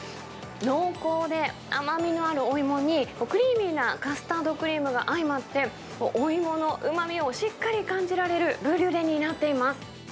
濃厚で甘みのあるお芋に、クリーミーなカスタードクリームが相まって、お芋のうまみをしっかり感じられるブリュレになっています。